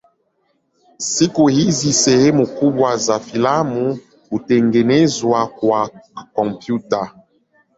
Siku hizi sehemu kubwa za filamu hutengenezwa kwa kompyuta.